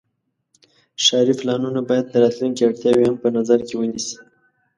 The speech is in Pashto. ښاري پلانونه باید د راتلونکي اړتیاوې هم په نظر کې ونیسي.